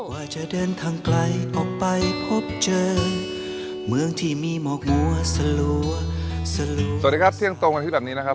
สวัสดีครับเที่ยงตรงกันที่แบบนี้นะครับ